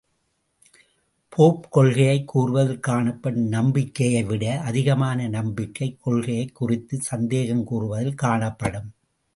Pope கொள்கையைக் கூறுவதில் காணப்படும் நம்பிக்கையைவிட அதிகமான நம்பிக்கை, கொள்கையைக் குறித்து சந்தேகம் கூறுவதில் காணப்படும்.